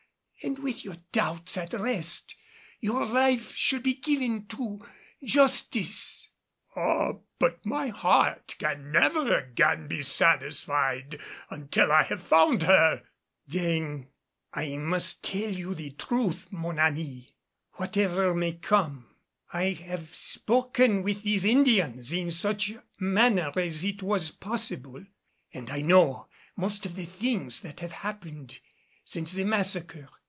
And with your doubts at rest, your life should be given to Justice." "Ah, but my heart can never again be satisfied until I have found her!" "Then I must tell you the truth, mon ami, whatever may come. I have spoken with these Indians in such manner as it was possible, and I know most of the things that have happened since the massacre.